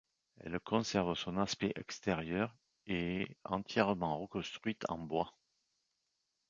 Elle conserve son aspect extérieur et est entièrement reconstruite en bois.